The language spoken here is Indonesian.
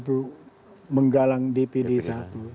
dan yang kedua memang peran deddy mulyadi luar biasa ya